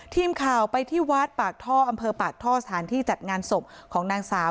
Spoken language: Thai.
ทีมข่าวไปที่วัดปากท่ออำเภอปากท่อสถานที่จัดงานศพของนางสาว